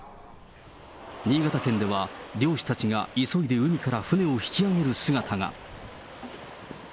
新潟県では、漁師たちが急いで海から船を引き上げる姿が。